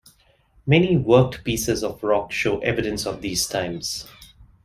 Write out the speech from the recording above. Many worked pieces of rock show evidence of these times.